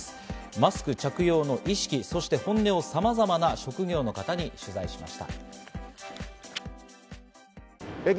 マスク着用の意識、そして本音を様々な職業の方に取材しました。